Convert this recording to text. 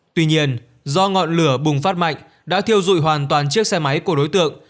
tuy nhiên do ngọn lửa bùng phát mạnh đã thiêu dụi hoàn toàn chiếc xe máy của đối tượng